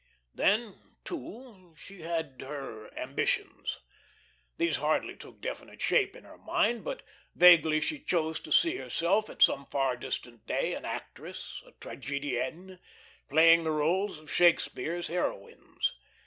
Then, too, she had her ambitions. These hardly took definite shape in her mind; but vaguely she chose to see herself, at some far distant day, an actress, a tragedienne, playing the roles of Shakespeare's heroines.